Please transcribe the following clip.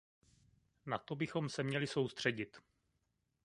Na to bychom se měli soustředit.